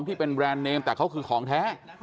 ที่เป็นแบรนด์เนมแต่เขาคือของแท้